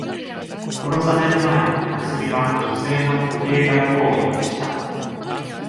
殺される前、マスミは、女性の保険外交員でした。